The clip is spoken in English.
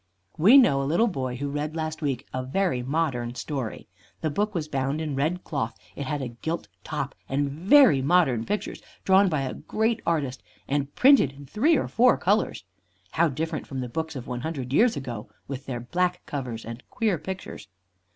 We know a little boy who read last week a very modern story. The book was bound in red cloth. It had a gilt top and very modern pictures drawn by a great artist and printed in three or four colors. How different from the books of one hundred years ago, with their black covers and queer pictures!